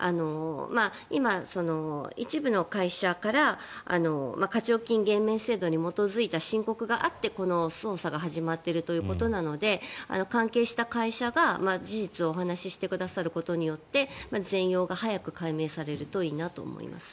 今、一部の会社から課徴金減免制度に基づいた申告があってこの捜査が始まっているということなので関係した会社が事実をお話してくれることによって全容が早く解明されるといいなと思います。